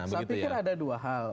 saya pikir ada dua hal